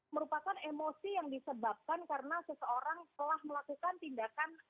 merupakan emosi yang disebabkan karena seseorang telah melakukan tindakan